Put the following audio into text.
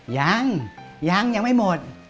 ยังยังยังไม่หมด